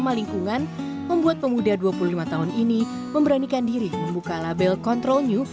dan memiliki lingkungan membuat pemuda dua puluh lima tahun ini memberanikan diri membuka label control new